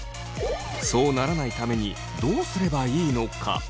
そうならないためにどうすればいいのか？